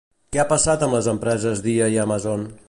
Què ha passat amb les empreses Dia i Amazon?